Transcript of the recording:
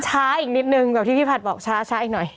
ช้าอีกนิดนึงแบบที่พี่ผัดบอกช้าอีกหน่อย